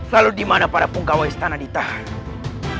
lalu dimana para penggawa istana di tahan